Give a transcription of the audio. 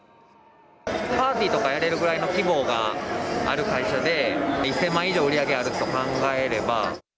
パーティーとかやれるぐらいの規模がある会社で、１０００万円以上売り上げがあると考えれば。